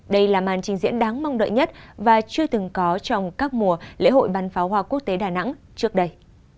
đây là màn trình diễn đáng mong đợi nhất và chưa từng có trong các mùa lễ hội bắn pháo hoa quốc tế đà nẵng trước đây